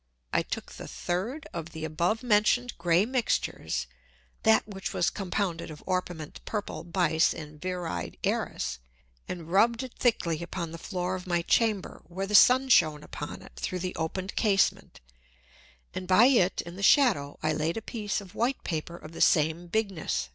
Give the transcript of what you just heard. I took the third of the above mention'd grey Mixtures, (that which was compounded of Orpiment, Purple, Bise, and Viride Æris) and rubbed it thickly upon the Floor of my Chamber, where the Sun shone upon it through the opened Casement; and by it, in the shadow, I laid a Piece of white Paper of the same Bigness.